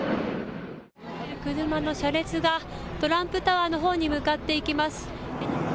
車の車列がトランプタワーのほうに向かっていきます。